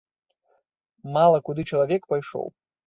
Мала куды чалавек пайшоў.